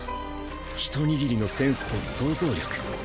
ひと握りのセンスと想像力